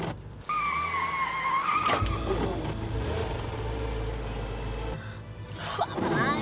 ini bolong kiri